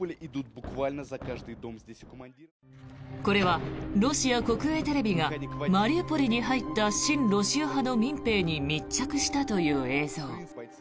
これは、ロシア国営テレビがマリウポリに入った親ロシア派の民兵に密着したという映像。